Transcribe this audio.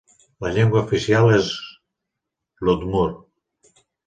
La llengua oficial és: l'udmurt.